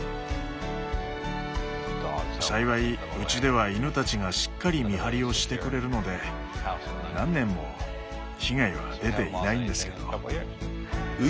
幸いうちでは犬たちがしっかり見張りをしてくれるので何年も被害は出ていないんですけど。